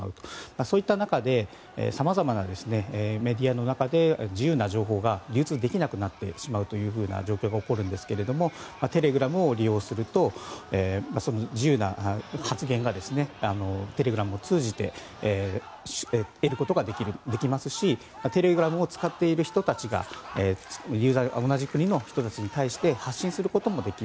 そういった中で、さまざまメディアの中で自由な情報が流通できなくなってしまうという状況が起きるんですけどもテレグラムを利用すると自由な発言がテレグラムを通じて得ることができますしテレグラムを使っている人たちが同じ国の人たちに対して発信することもできる。